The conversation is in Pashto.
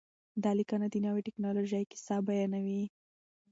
دا لیکنه د نوې ټکنالوژۍ کیسه بیانوي.